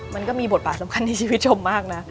มันก็มีบทบาทสำคัญในชีวิตชมมากนะ